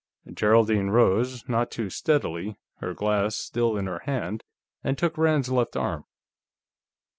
Geraldine rose, not too steadily, her glass still in her hand, and took Rand's left arm.